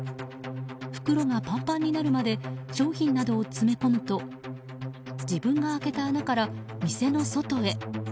袋がパンパンになるまで商品などを詰め込むと自分が開けた穴から店の外へ。